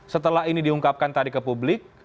setelah ini diungkapkan tadi ke publik